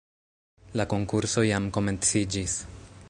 La konkurso jam komenciĝis